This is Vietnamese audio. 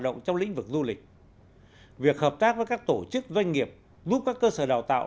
động trong lĩnh vực du lịch việc hợp tác với các tổ chức doanh nghiệp giúp các cơ sở đào tạo